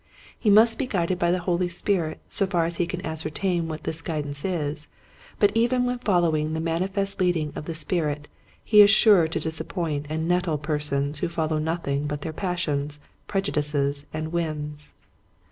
He must be guided by the Holy Spirit so far as he can ascertain what this guidance is, but even when fol lowing the manifest leading of the Spirit he is sure to disappoint and nettle persons who follow nothing but their passions, prejudices and whims.